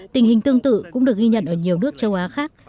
tình hình tương tự cũng được ghi nhận ở nhiều nước châu á khác